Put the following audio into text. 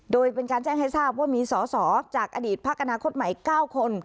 โดยเป็นการแจ้งให้ทราบว่ามีสอสอจากอดีตพักอนาคตใหม่๙คน